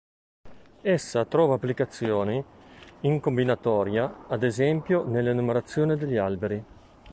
Essa trova applicazioni in combinatoria, ad esempio nell'enumerazione degli alberi.